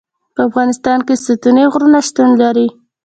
په افغانستان کې ستوني غرونه شتون لري.